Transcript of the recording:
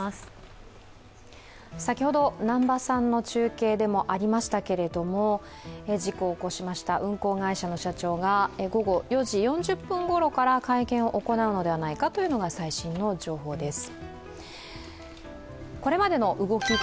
先ほど南波さんの中継でもありましたけれども、事故を起こしました運航会社の社長が午後４時４０分ごろから会見を行うのではないかというのが最新の情報です。